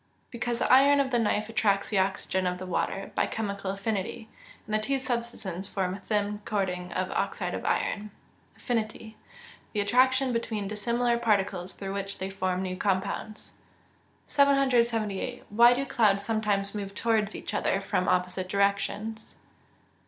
_ Because the iron of the knife attracts the oxygen of the water, by chemical affinity; and the two substances form a thin coating of oxide of iron. Affinity. Attraction between dissimilar particles through which they form new compounds. 778. _Why do clouds sometimes move towards each other from opposite directions?